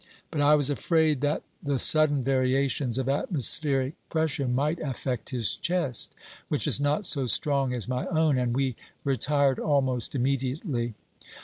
OBERMANN 355 But I was afraid that the sudden variations of atmospheric pressure might affect his chest, which is not so strong as my own, and we retired almost immediately.